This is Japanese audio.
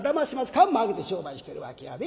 看板あげて商売してるわけやで？